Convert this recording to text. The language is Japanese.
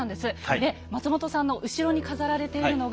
で松本さんの後ろに飾られているのが。